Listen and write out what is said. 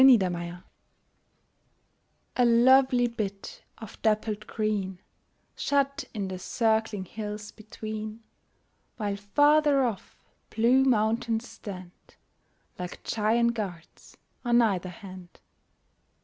A PICTURE A LOVELY bit of dappled green Shut in the circling hills between, While farther off blue mountains stand Like giant guards on either hand.